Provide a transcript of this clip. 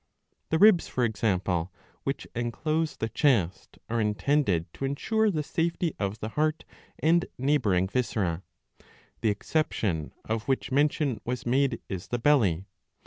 The ribs, for example, which enclose the chest are intended to ensure the safety of the heart and neighbouring viscera. The exception of which mention was made is the belly.